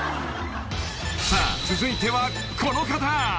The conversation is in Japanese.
［さあ続いてはこの方］